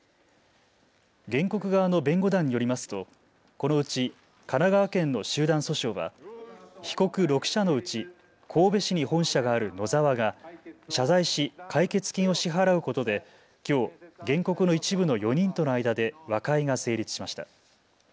原告側の弁護団によりますとこのうち神奈川県の集団訴訟は被告６社のうち神戸市に本社があるノザワが謝罪し解決金を支払うことできょう原告の一部の４人との間で和解が成立しました。